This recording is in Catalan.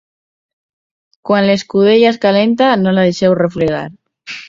Quan l'escudella és calenta, no la deixeu refredar.